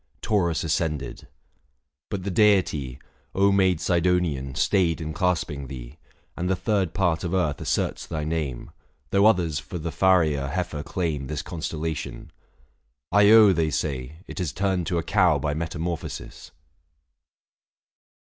Taurus ascended; but the deity, maid Sidonian, stayed enclasping thee ; 700 And the third part of earth asserts thy name. Though others for the Pharian heifer claim This constellation ; Io, they say, it is Turned to a cow by metamorphosis.